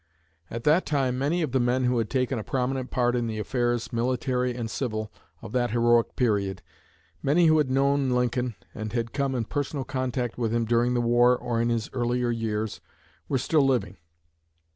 At that time many of the men who had taken a prominent part in the affairs, military and civil, of that heroic period, many who had known Lincoln and had come in personal contact with him during the war or in his earlier years, were still living.